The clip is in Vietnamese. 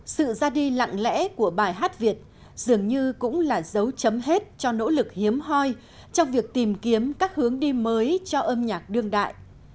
sự ra đi lặng lẽ của bài hát việt dường như cũng là dấu chấm hết cho nỗ lực hiếm hoi trong việc tìm kiếm các hướng đi mới cho âm nhạc đương đại